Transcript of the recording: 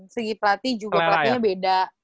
segi pelatih juga pelatihnya beda